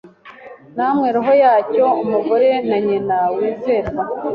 Namwe roho yacyo - umugore na nyina wizerwa -